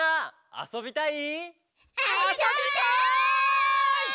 あそびたい！